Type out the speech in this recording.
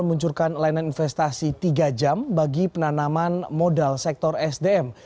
meluncurkan layanan investasi tiga jam bagi penanaman modal sektor sdm